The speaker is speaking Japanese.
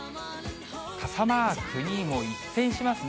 傘マークにもう一変しますね。